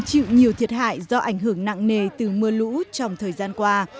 chịu nhiều thiệt hại do ảnh hưởng nặng nề từ mưa lũ trong thời gian qua